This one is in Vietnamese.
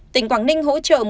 tỉnh quảng ninh hỗ trợ